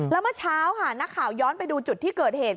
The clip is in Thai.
แล้วเมื่อเช้าค่ะนักข่าวย้อนไปดูจุดที่เกิดเหตุ